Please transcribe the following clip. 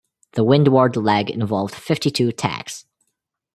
The windward leg involved fifty-two tacks.